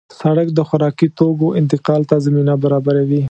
سړک د خوراکي توکو انتقال ته زمینه برابروي.